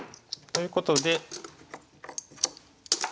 ということで。